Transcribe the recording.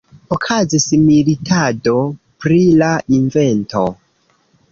Okazis militado pri la invento.